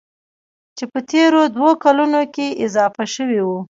چې په تېرو دوو کلونو کې اضافه شوي وو.